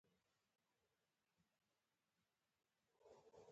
زموږ چرګه خپلې غوښتنې بیانوي.